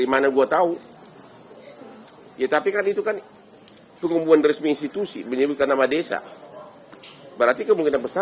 pak apakah memang nanti ada kemungkinan data yang di share dpo itu asal dipalsukan oleh pihak polisi agar